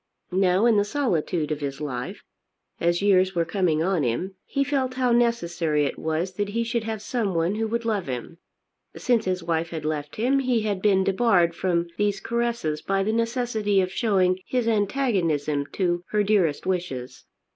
Now in the solitude of his life, as years were coming on him, he felt how necessary it was that he should have someone who would love him. Since his wife had left him he had been debarred from these caresses by the necessity of showing his antagonism to her dearest wishes.